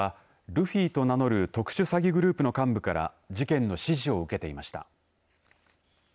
被告はルフィと名乗る特殊詐欺グループの幹部から事件の指示を受けていました。